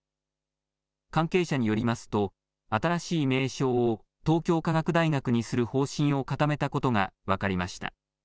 関係者によりますと新しい名称を東京科学大学にする方針を固めたことが分かりました。